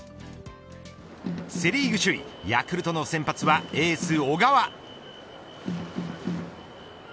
セ・リーグ首位ヤクルトの先発は、エース小川。